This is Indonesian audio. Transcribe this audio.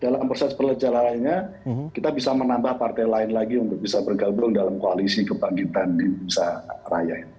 dalam proses perjalanannya kita bisa menambah partai lain lagi untuk bisa bergabung dalam koalisi kebangkitan di indonesia raya ini